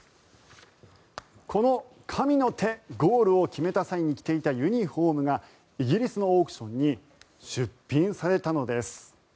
この神の手ゴールを決めた際に着ていたユニホームがイギリスのオークションに出品されたのです。